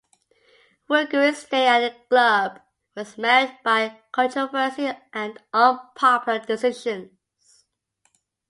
Ruggeri's stay at the club was marred by controversy and unpopular decisions.